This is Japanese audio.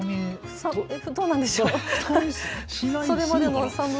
どうなんでしょう。